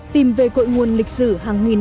tìm về cội nguồn lịch sử hàng nghìn năm